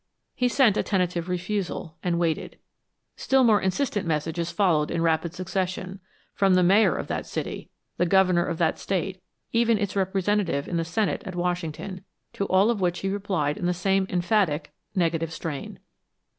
He sent a tentative refusal and waited. Still more insistent messages followed in rapid succession, from the mayor of that city, the governor of that state, even its representative in the Senate at Washington, to all of which he replied in the same emphatic, negative strain.